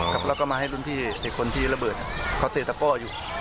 แล้วก็มาให้รุ่นพี่ไอ้คนที่ระเบิดเขาเตรียมตับเป้ออยู่